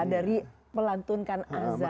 dari melantunkan adhan